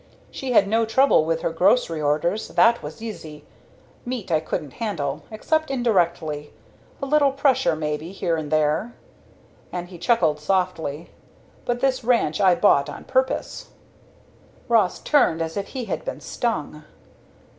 She had no trouble with her grocery orders; that was easy. Meat I couldn't handle except indirectly a little pressure, maybe, here and there." And he chuckled softly. "But this ranch I bought on purpose." Ross turned as if he had been stung.